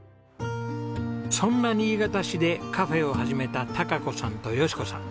そんな新潟市でカフェを始めた貴子さんと佳子さん。